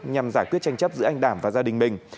nhằm giải quyết tranh chấp giữa anh đảm và gia đình mình